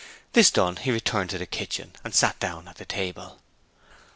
This done he returned to the kitchen and sat down at the table.